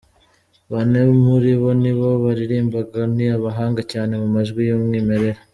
Bane muri bo ni bo baririmbaga, ni abahanga cyane mu majwi y'umwimerere.